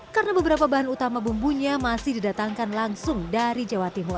karena beberapa bahan utama bumbunya masih didatangkan langsung dari jawa timur